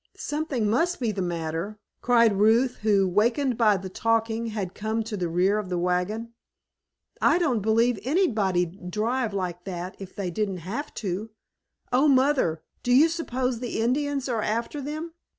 "Something must be the matter," cried Ruth, who, wakened by the talking, had come to the rear of the wagon. "I don't believe anybody'd drive like that if they didn't have to! Oh, Mother, do you suppose the Indians are after them?"